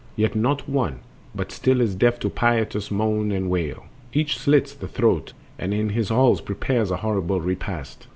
Yet not one But still is deaf to piteous moan and wail. Each slits the throat and in his halls prepares A horrible repast.